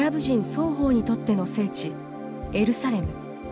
双方にとっての聖地エルサレム。